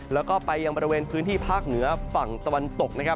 แล้วก็ไปยังบริเวณพื้นที่ภาคเหนือฝั่งตะวันตกนะครับ